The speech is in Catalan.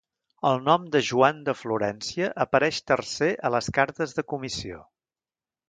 El nom de "Joan de Florència" apareix tercer a les cartes de comissió.